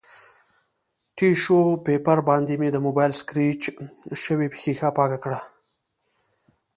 ټیشو پیپر باندې مې د مبایل سکریچ شوې ښیښه پاکه کړه